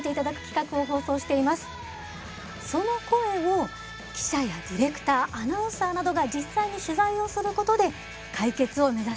その声を記者やディレクターアナウンサーなどが実際に取材をすることで解決を目指しているんです。